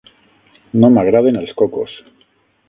No m'agraden els cocos.